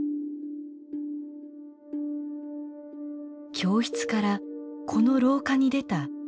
教室からこの廊下に出た優希ちゃん。